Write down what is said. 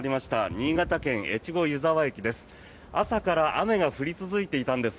新潟県・越後湯沢駅です。